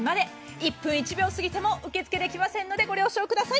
１分１秒過ぎても受け付けできませんのでご了承ください。